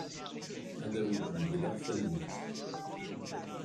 Ad awent-medleɣ tawwurt.